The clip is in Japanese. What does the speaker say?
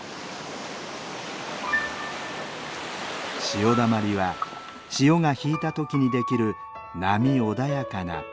潮だまりは潮が引いた時にできる波穏やかなプール。